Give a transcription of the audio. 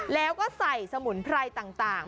แล้วก็ใส่สมุนไพรต่าง